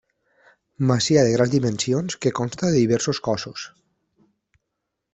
Masia de grans dimensions que consta de diversos cossos.